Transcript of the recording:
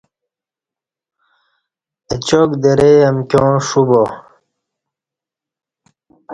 اچاک درئ امکیاں ݜو با